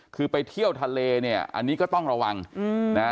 คือไปเที่ยวทะเลเนี่ยอันนี้ก็ต้องระวังนะ